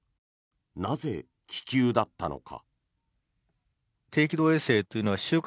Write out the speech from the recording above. なぜ、気球だったのか。